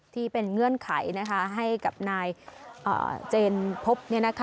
ที่เป็นเงื่อนไขให้กับนายเจนพบ